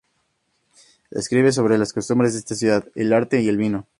Escribe sobre las costumbres de esta ciudad, el arte y el vino.